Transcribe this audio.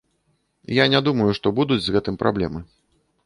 Я не думаю, што будуць з гэтым праблемы.